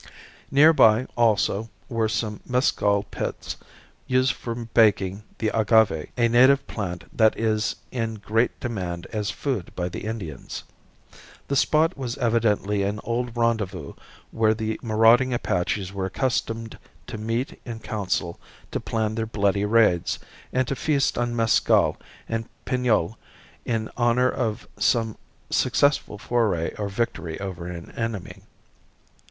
Nearby also, were some mescal pits used for baking the agave, a native plant that is in great demand as food by the Indians. The spot was evidently an old rendezvous where the marauding Apaches were accustomed to meet in council to plan their bloody raids, and to feast on mescal and pinole in honor of some successful foray or victory over an enemy.